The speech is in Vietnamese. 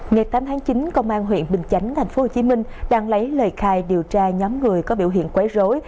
ngày tám tháng chín công an huyện bình chánh tp hcm đang lấy lời khai điều tra nhóm người có biểu hiện quấy rối